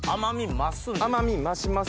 甘み増す？